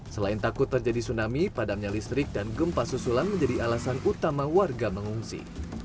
selain takut terjadi tsunami padamnya listrik dan gempa susulan menjadi alasan utama warga mengungsi